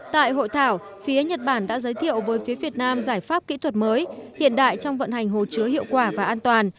tại hội thảo phía nhật bản đã giới thiệu với phía việt nam giải pháp kỹ thuật mới hiện đại trong vận hành hồ chứa hiệu quả và an toàn